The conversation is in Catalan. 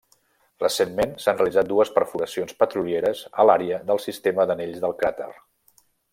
Recentment, s'han realitzat dues perforacions petrolieres a l'àrea del sistema d'anells del cràter.